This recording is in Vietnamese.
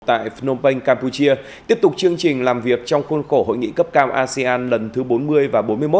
tại phnom penh campuchia tiếp tục chương trình làm việc trong khuôn khổ hội nghị cấp cao asean lần thứ bốn mươi và bốn mươi một